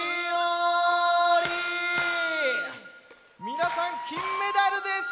皆さん金メダルです！